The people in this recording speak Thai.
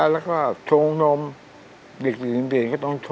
ลักไหม